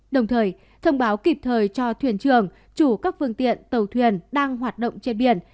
đồng thời thông báo kịp thời cho thuyền trường chủ các phương tiện tàu thuyền đang hoạt động trên biển